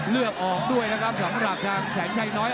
เลือดออกด้วยนะครับสำหรับทางแสนชัยน้อย